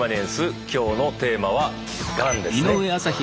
今日のテーマは「がん」ですね井上さん。